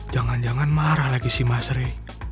jangan jangan marah lagi si mas ray